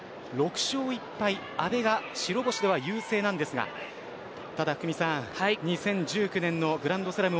６勝１敗阿部が白星では優勢ですが２０１９年のグランドスラム